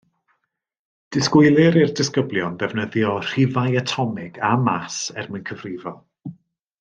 Disgwylir i'r disgyblion ddefnyddio rhifau atomig a màs er mwyn cyfrifo